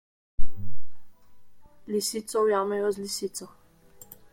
Lisico ujamejo z lisico.